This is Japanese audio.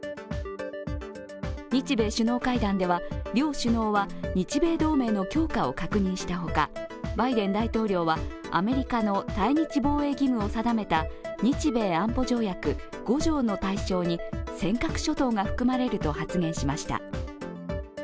日米首脳会談では両首脳は日米同盟の強化を確認したほかバイデン大統領はアメリカの対日防衛義務を定めた日米安保条約５条の対象に尖閣諸島が含まれると発言しました。